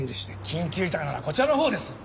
緊急事態なのはこちらのほうです！